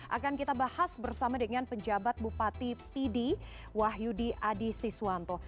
akan kita bahas bersama dengan penjabat bupati pidi wahyudi adi siswanto